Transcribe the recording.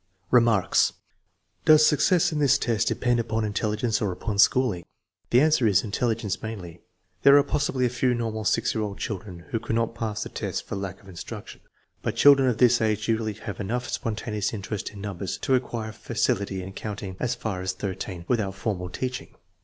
Remarks* Does success in this test depend upon intelli TEST NO. VI, 4 181 gence or upon schooling? T^e .answer is, intelligence mainly. There are possibly a few normal 6 year old children who could not pass the test for lack of instruction, but children of this age usually have enough spontaneous interest in numbers to acquire facility in counting as far as 13 without formal teaching.